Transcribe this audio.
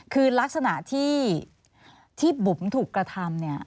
คือลักษณะที่บุ๋มถูกกระทำเนี่ย